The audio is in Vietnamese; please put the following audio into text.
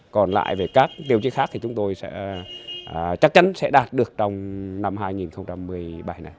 còn lại về các tiêu chí khác thì chúng tôi sẽ chắc chắn sẽ đạt được trong năm hai nghìn một mươi bảy này